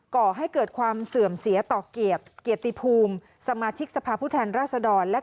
ก่อให้เกิดความเสื่อมเสียต่อเกียรติภูมิสมาชิกสภาพผู้แทนราษดรและ